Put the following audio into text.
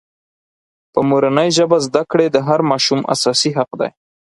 په مورنۍ ژبه زدکړې د هر ماشوم اساسي حق دی.